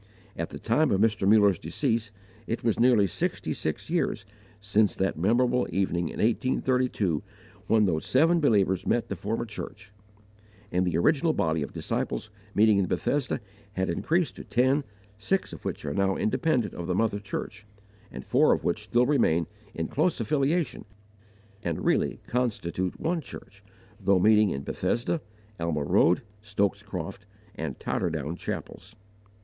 At the time of Mr. Muller's decease it was nearly sixty six years since that memorable evening in 1832 when those seven believers met to form a church; and the original body of disciples meeting in Bethesda had increased to ten, six of which are now independent of the mother church, and four of which still remain in close affiliation and really constitute one church, though meeting in Bethesda, Alma Road, Stokes Croft, and Totterdown chapels.